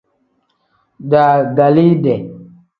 Daagaliide.